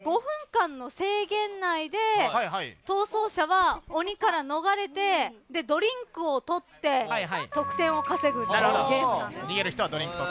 「鬼ごっこバズーカ」５分間の制限内で逃走者は鬼から逃れてドリンクを取って得点を稼ぐというゲームなんです。